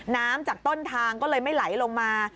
จากต้นทางก็เลยไม่ไหลลงมา